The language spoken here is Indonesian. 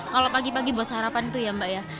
kalau pagi pagi buat sarapan tuh ya mbak ya